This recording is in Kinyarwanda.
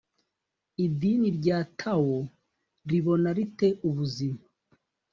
idini rya tao ribona rite ubuzima?